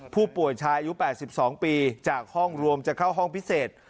ผู้ป่วยชายอายุ๘๒ปีจากห้องรวมจะเข้าห้องพิเศษ